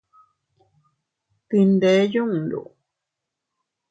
Dinde yundu.